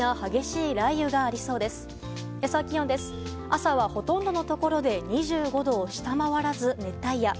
朝は、ほとんどのところで２５度を下回らず、熱帯夜。